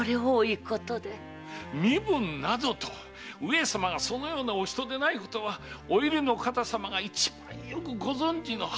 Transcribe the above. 身分などと上様がそのようなお人でないことはお由利の方様が一番よくご存じのはず！